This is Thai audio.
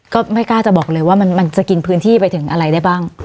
ก็ไม่กล้าจะบอกเลยว่ามันจะกินพื้นที่ไปถึงอะไรได้บ้าง